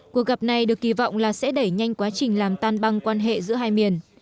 cuộc gặp này được kỳ vọng là sẽ đẩy nhanh quá trình làm tan băng quan hệ giữa hai miền